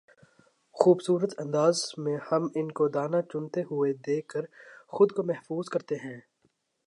خوبصورت انداز میں ہم ان کو دانہ چنتے ہوئے دیکھ کر خود کو محظوظ کرتے ہیں